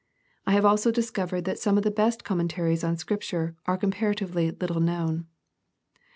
I have also discovered that some of the best commenta ries on Scripture are comparatively little known.